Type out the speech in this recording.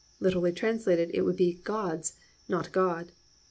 Literally translated, it would be "Gods" and not God.